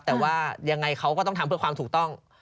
แต่ว่ายังไงเขาก็ต้องทำเพื่อความถูกต้อง